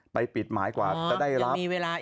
ไปปิดหมายกว่าจะได้รับ